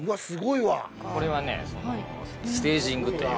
これはねステージングという。